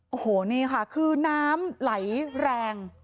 โอ้โหนี่ค่ะคือน้ำไหลแรง